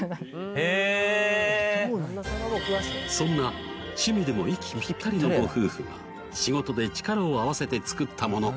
へえそんな趣味でも息ピッタリのご夫婦が仕事で力を合わせて作ったもの